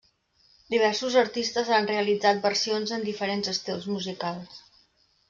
Diversos artistes han realitzat versions en diferents estils musicals.